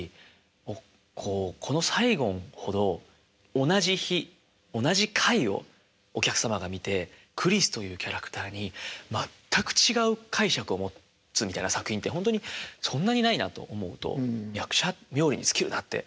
もうこの「サイゴン」ほど同じ日同じ回をお客様が見てクリスというキャラクターに全く違う解釈を持つみたいな作品ってほんとにそんなにないなと思うと役者冥利に尽きるなって。